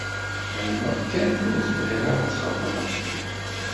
Ԑelmeɣ kan ur tebɣiḍ ara txedmeḍ akken.